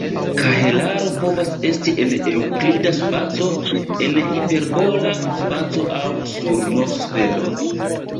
Kahelaro povas esti en eŭklida spaco, en hiperbola spaco aŭ sur "n"-sfero.